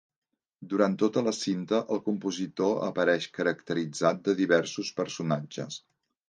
Durant tota la cinta el compositor apareix caracteritzat de diversos personatges.